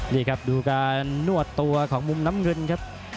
นี่ครับดูการนวดตัวของมุมน้ำเงินครับ